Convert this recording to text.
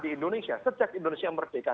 di indonesia sejak indonesia merdeka